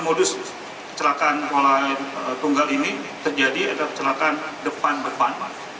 modus kecelakaan tunggal ini terjadi adalah kecelakaan depan depan